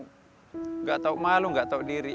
tidak tahu malu nggak tahu diri